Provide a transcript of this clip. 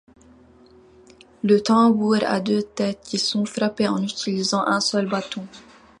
Le tambour a deux têtes qui sont frappées en utilisant un seul bâton.